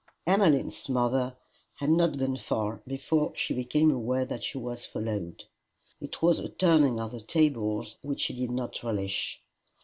Emmeline's mother had not gone far before she became aware that she was followed. It was a turning of the tables which she did not relish.